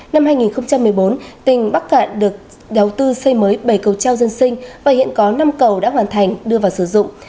năm hai nghìn một mươi bốn tỉnh bắc cạn được đầu tư xây mới bảy cầu treo dân sinh và hiện có năm cầu đã hoàn thành đưa vào sử dụng